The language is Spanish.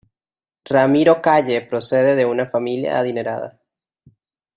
Ramiro Calle procede de una familia adinerada.